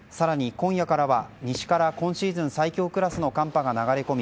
今夜からは西から今シーズン最強クラスの寒波が流れ込み